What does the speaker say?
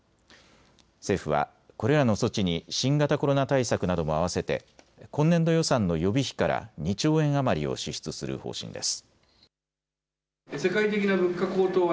政府はこれらの措置に新型コロナ対策などもあわせて今年度予算の予備費から２兆円余りを支出する方針です。